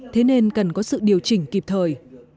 thế nên cần có sự điều chỉnh kịp thời